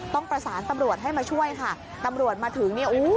ต้องประสานตำรวจให้มาช่วยค่ะตำรวจมาถึงเนี่ยอู้